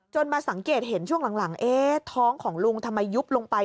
มาสังเกตเห็นช่วงหลังท้องของลุงทำไมยุบลงไป